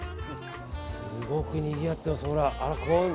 すごくにぎわってますよ。